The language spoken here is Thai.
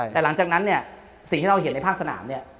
แต่หลังจากนั้นเนี่ยสิ่งที่เราเห็นในภาคสนามเนี่ย